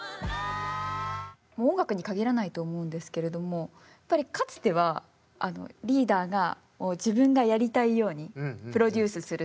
もう音楽に限らないと思うんですけれどもやっぱりかつてはリーダーが自分がやりたいようにプロデュースする。